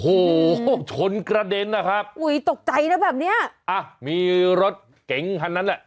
โอ้โหชนกระเด็นนะครับอุ้ยตกใจนะแบบเนี้ยอ่ะมีรถเก๋งคันนั้นแหละ